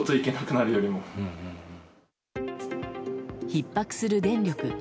ひっ迫する電力。